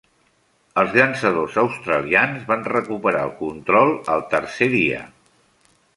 Els llançadors australians van recuperar el control el tercer dia.